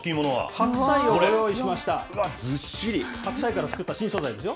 白菜から作った新素材ですよ。